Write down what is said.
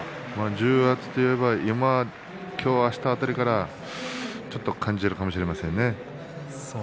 重圧といえば今日、あした辺りからちょっと感じるかもしれません。